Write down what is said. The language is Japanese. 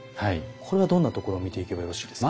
これはどんなところを見ていけばよろしいですか。